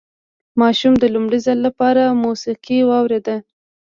ماشوم د لومړي ځل لپاره موسيقي واورېده.